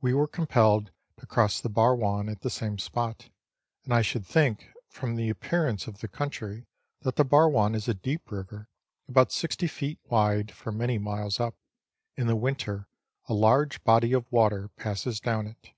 We were compelled to cross the Bar Avon at the same spot, and I should think from the appearance of the country that the Barwon is a deep river, about 60 feet wide for many miles up ; in the winter a large body of water passes down it.